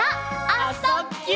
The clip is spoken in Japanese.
「あ・そ・ぎゅ」